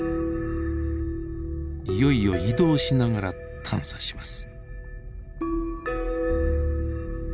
いよいよ移動しながら探査します。